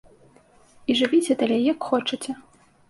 І жывіце далей як хочаце.